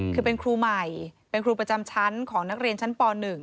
คือเป็นครูใหม่เป็นครูประจำชั้นของนักเรียนชั้นป๑